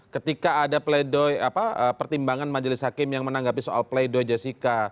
ketika ada pre doi pertimbangan majelis hakim yang menanggapi soal pre doi jessica